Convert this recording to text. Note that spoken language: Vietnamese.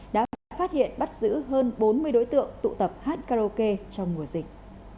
đã phát hiện bắt giữ hơn bốn mươi đối tượng tụ tập hát karaoke trong mùa dịch